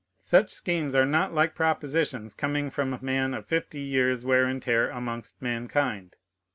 Such schemes are not like propositions coming from a man of fifty years' wear and tear amongst mankind.